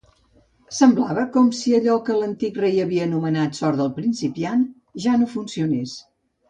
Semblava com si allò que l'antic rei havia anomenat "sort del principiant" ja no funcionés.